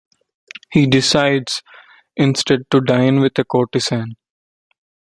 He decides, instead, to dine with a courtesan.